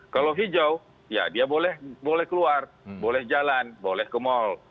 kalau hijau ya dia boleh keluar boleh jalan boleh ke mal